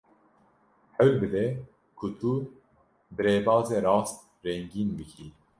Hewil bide ku tu bi rêbazê rast rengîn bikî.